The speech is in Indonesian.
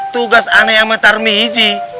tugas aneh sama tar miji